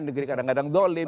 negeri kadang kadang dolim